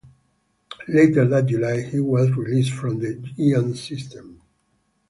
Later that July, he was released from the Giants system.